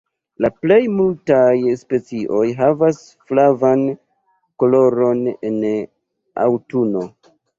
La plej multaj specioj havas flavan koloron en aŭtuno.